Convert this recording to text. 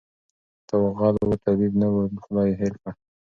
ته وا غل وو طبیب نه وو خدای ېې هېر کړ